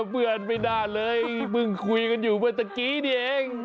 เพื่อนไม่ได้เลยมึงคุยกันอยู่เหมือนเมื่อกี้นี่เอง